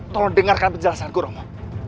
tolong dengarkan penjelasanku rompong